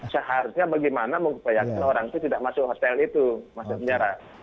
seharusnya bagaimana mengupayakan orang itu tidak masuk hotel itu masuk penjara